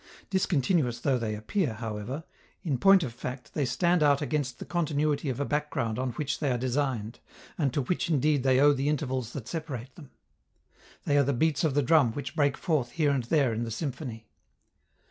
Discontinuous though they appear, however, in point of fact they stand out against the continuity of a background on which they are designed, and to which indeed they owe the intervals that separate them; they are the beats of the drum which break forth here and there in the symphony.